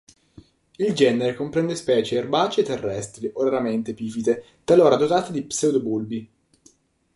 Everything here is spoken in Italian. Il genere comprende specie erbacee terrestri o raramente epifite, talora dotate di pseudobulbi.